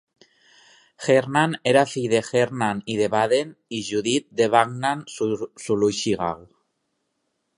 Hermann era fill de Hermann I de Baden i Judit de Backnang-Sulichgau.